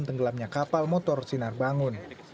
tenggelamnya kapal motor sinar bangun